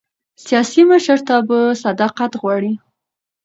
سیاسي مشرتابه صداقت غواړي